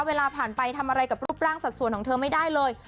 เวลาผ่านไปทำอะไรกับรูปร่างสัดส่วนของเธอไม่ได้เลย